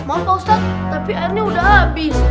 maaf bostak tapi airnya udah habis